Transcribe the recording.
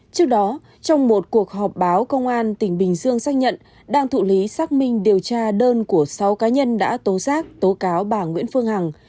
trước đó trong một cuộc họp báo công an tỉnh bình dương xác nhận đang thụ lý xác minh điều tra đơn của sáu cá nhân đã tố giác tố cáo bà nguyễn phương hằng